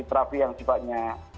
terapi yang tiba tiba